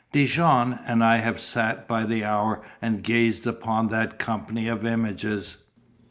Dijon and I have sat by the hour, and gazed upon that company of images.